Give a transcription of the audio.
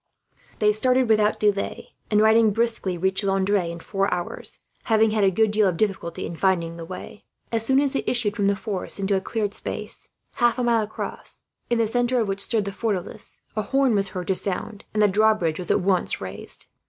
They started without delay and, riding briskly, reached Landres in four hours; having had a good deal of difficulty in finding the way. As soon as they issued from the forests into a cleared space, half a mile across, in the centre of which stood the fortalice, a horn was heard to sound, and the drawbridge was at once raised.